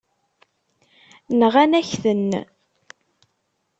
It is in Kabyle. Nɣan-ak-ten.